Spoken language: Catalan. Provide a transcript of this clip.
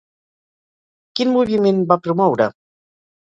Quin moviment va promoure?